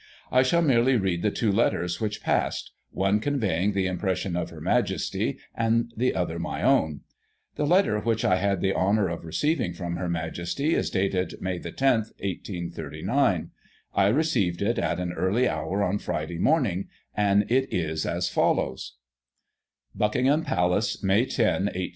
I shall merely read the two letters which passed ; one conveying the impressions of Her Majesty, and the other my own. The letter which I had the honour of receiving from Her Majesty is dated May the loth, 1839. I received it at an early hour on Friday morning, and it is as follows : Digitized by Google 92 GOSSIP. [1839 "'Buckingham Palace.